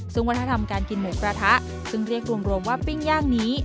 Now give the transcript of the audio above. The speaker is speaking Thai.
ซึ่งวัฒนธรรมการกินหมูกระทะซึ่งเรียกรวมว่าปิ้งย่างนี้